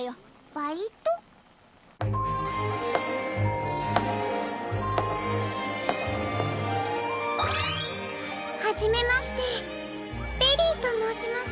バイト？はじめましてベリーともうします。